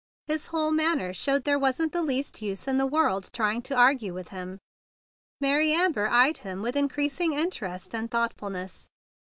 His whole manner showed that there wasn't the least use in the world trying to argue with him. Mary Amber eyed him with increas¬ ing interest and thoughtfulness.